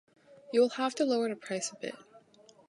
You will have to lower the price a bit.